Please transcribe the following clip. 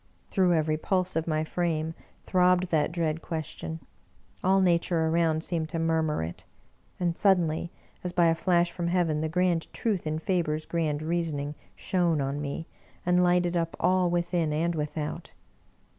'' Through every pulse of my frame throbbed that dread question ; all Nature around seemed to murmur it. And suddenly, as by a flash from heaven, the grand truth in Faber's grand reasoning shone on me, and Hghted up all, within and without.